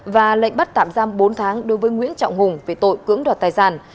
và lệnh bắt tạm giam bốn tháng đối với nguyễn trọng hùng về tội cưỡng đoạt tài sản